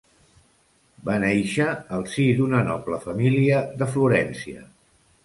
Va nàixer al si d'una noble família de Florència.